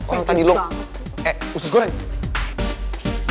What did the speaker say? orang tadi lo eh usus goreng